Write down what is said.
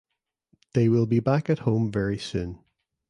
They will be back at home very soon.